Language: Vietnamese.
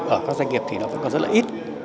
ở các doanh nghiệp thì nó vẫn còn rất là ít